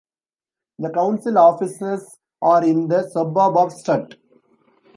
The council offices are in the suburb of Sturt.